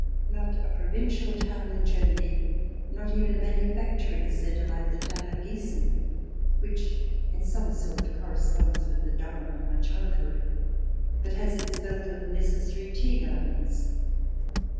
Not a provincial town in Germany, not even a manufacturing centre like the town of Giessen, which in some sort corresponds with the Durham of my childhood, but has its belt of neces sary tea gardens.